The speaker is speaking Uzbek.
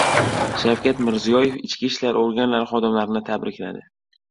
Shavkat Mirziyoyev ichki ishlar organlari xodimlarini tabrikladi